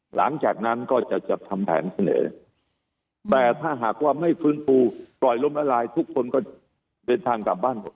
หลังจากนั้นก็จะจัดทำแผนเสนอแต่ถ้าหากว่าไม่ฟื้นฟูปล่อยลมละลายทุกคนก็เดินทางกลับบ้านหมด